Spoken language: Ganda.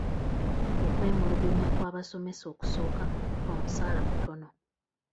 Okwemulugunya kw'abasomesa okusooka kwa musaala mutono.